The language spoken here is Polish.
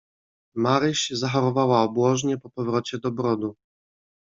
"Maryś zachorowała obłożnie po powrocie do Brodu."